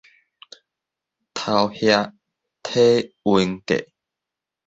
頭額體溫計